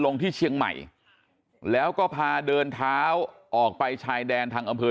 ลงที่เชียงใหม่แล้วก็พาเดินเท้าออกไปชายแดนทางอำเภอ